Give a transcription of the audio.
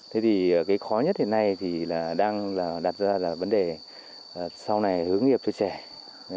thế thì cái khó nhất hiện nay thì là đang đặt ra là vấn đề sau này hướng nghiệp cho trẻ